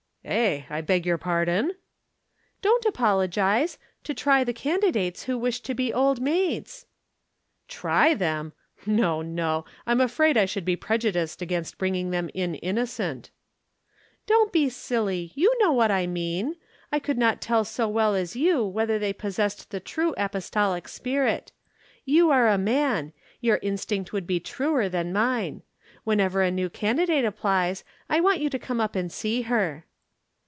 "Eh! I beg your pardon?" "Don't apologize; to try the candidates who wish to be Old Maids." "Try them! No, no! I'm afraid I should be prejudiced against bringing them in innocent." "Don't be silly. You know what I mean. I could not tell so well as you whether they possessed the true apostolic spirit. You are a man your instinct would be truer than mine. Whenever a new candidate applies, I want you to come up and see her."